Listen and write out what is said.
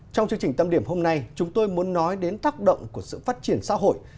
trong chương trình tâm điểm hôm nay chúng tôi muốn nói đến tác động của sự phát triển xã hội